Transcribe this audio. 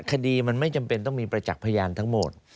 คดีมันไม่จำเป็นต้องมีประจักษ์พยานทั้งหมด